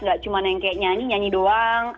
gak cuman yang kayak nyanyi nyanyi doang